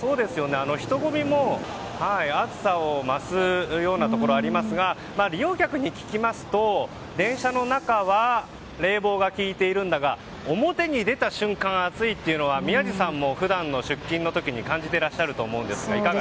人混みも暑さを増すようなところがありますが利用客に聞きますと、電車の中は冷房が効いているんだが表に出た瞬間、暑いというのは宮司さんも普段の出勤の時感じてらっしゃると思いますが。